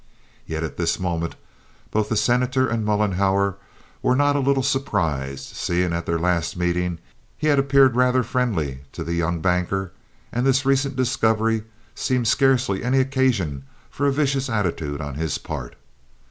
Yet at this moment, both the Senator and Mollenhauer were not a little surprised, seeing at their last meeting he had appeared rather friendly to the young banker, and this recent discovery seemed scarcely any occasion for a vicious attitude on his part.